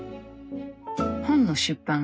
本の出版